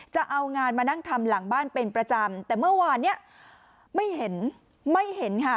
จะเอ้างานมานั่งทำหลังบ้านเป็นประจำแต่เมื่อวานไม่เห็น